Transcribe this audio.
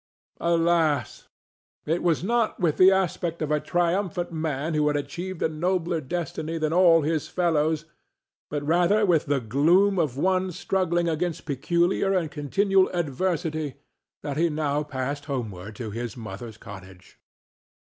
Alas! it was not with the aspect of a triumphant man who had achieved a nobler destiny than all his fellows, but rather with the gloom of one struggling against peculiar and continual adversity, that he now passed homeward to his mother's cottage.